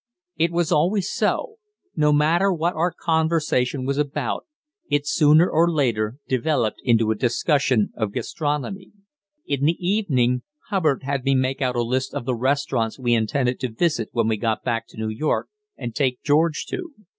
It was always so no matter what our conversation was about, it sooner or later developed into a discussion of gastronomy. In the evening Hubbard had me make out a list of the restaurants we intended to visit when we got back to New York and take George to.